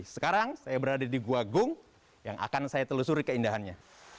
sekarang saya berada di gua gung yang akan saya telusuri keindahannya